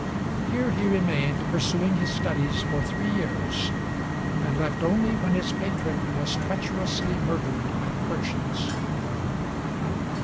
Here he remained, pursuing his studies, for three years; and left only when his patron was treacherously murdered by the Persians.